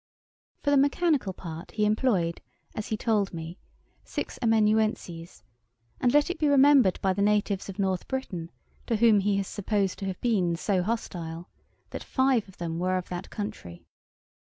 For the mechanical part he employed, as he told me, six amanuenses; and let it be remembered by the natives of North Britain, to whom he is supposed to have been so hostile, that five of them were of that country.